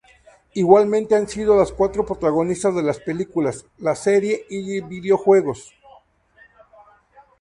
Igualmente han sido las cuatro, protagonistas de las películas, la serie y videojuegos.